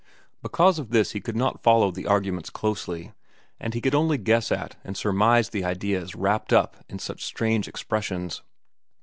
Because of this he could not follow the arguments closely, and he could only guess at and surmise the ideas wrapped up in such strange expressions.